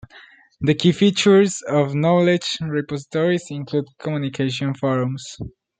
The key features of knowledge repositories include communication forums.